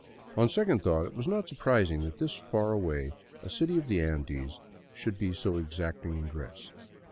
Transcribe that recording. On second thought it was not surprising that this far away city of the Andes should be so exacting in dress.